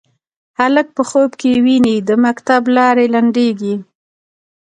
هلک په خوب کې ویني د مکتب لارې لنډیږې